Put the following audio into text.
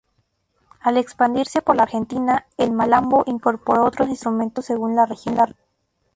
Al expandirse por la Argentina el malambo incorporó otros instrumentos según la región.